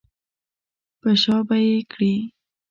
په شا به یې کړې.